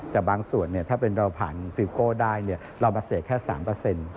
แต่บางส่วนถ้าเราผ่านฟิลโก้ได้เรามาเสียแค่๓